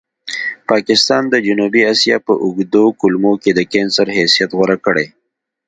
پاکستان د جنوبي اسیا په اوږدو کولمو کې د کېنسر حیثیت غوره کړی.